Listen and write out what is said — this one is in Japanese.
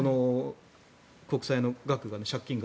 国債の額が、借金が。